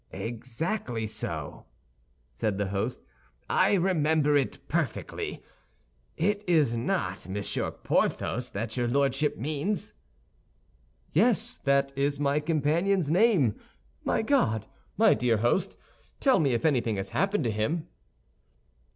"Exactly so," said the host; "I remember it perfectly. It is not Monsieur Porthos that your Lordship means?" "Yes, that is my companion's name. My God, my dear host, tell me if anything has happened to him?"